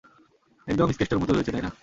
একদম স্কেচটার মতোই হয়েছে, তাই না?